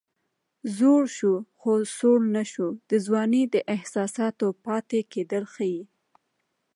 زوړ شو خو سوړ نه شو د ځوانۍ د احساساتو پاتې کېدل ښيي